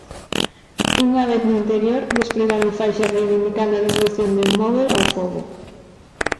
Unha vez no interior, despregaron faixas reivindicando a devolución do inmóbel ao pobo.